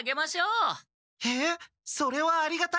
えっそれはありがたい！